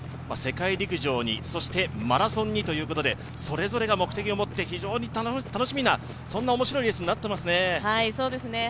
世界陸上にそしてマラソンにということでそれぞれが目的を持って非常に楽しみな面白いレースになっていますね。